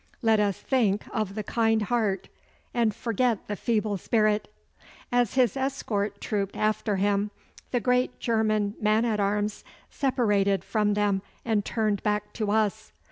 Let us think of the kind heart and forget the feeble spirit. As his escort trooped after him, the great German man at arms separated from them and turned back to us.